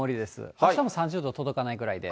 あしたも３０度届かないぐらいです。